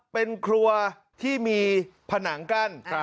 เป็นครัวที่มีผนังกั้น